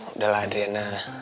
udah lah adriana